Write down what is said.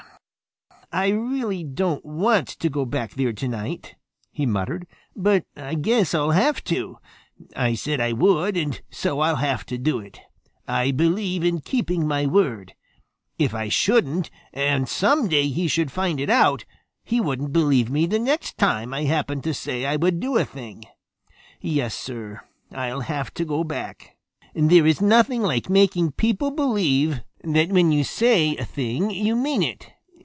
"I really don't want to go back there tonight," he muttered, "but I guess I'll have to. I said I would, and so I'll have to do it. I believe in keeping my word. If I shouldn't and some day he should find it out, he wouldn't believe me the next time I happened to say I would do a thing. Yes, Sir, I'll have to go back. There is nothing like making people believe that when you say a thing you mean it.